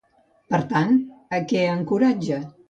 Per tant, a què encoratja?